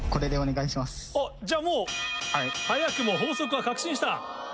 あっじゃあもう早くも法則は確信した？